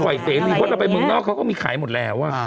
ก็ควรจะปล่อยเตรียมเพราะเราไปเมืองนอกเขาก็มีขายหมดแล้ว